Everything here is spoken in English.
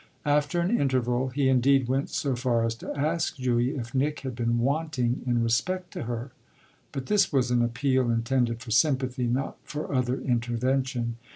After an interval he indeed went so far as to ask Julia if Nick had been wanting in respect to her; but this was an appeal intended for sympathy, not for other intervention.